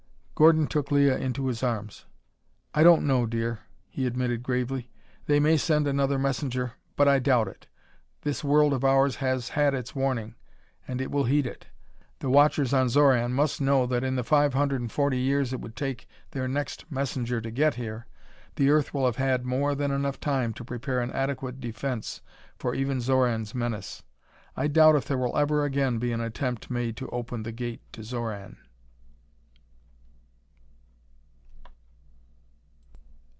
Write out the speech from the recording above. Gordon took Leah into his arms. "I don't know, dear," he admitted gravely. "They may send another messenger, but I doubt it. This world of ours has had its warning, and it will heed it. The watchers on Xoran must know that in the five hundred and forty years it would take their next messenger to get here, the Earth will have had more than enough time to prepare an adequate defense for even Xoran's menace. I doubt if there will ever again be an attempt made to open the Gate to Xoran."